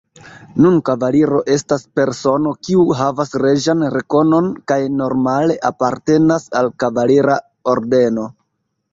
Nun kavaliro estas persono, kiu havas reĝan rekonon kaj normale apartenas al kavalira ordeno.